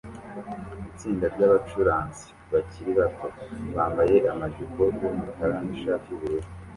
Itsinda ryabacuranzi bakiri bato bambaye amajipo yumukara nishati yubururu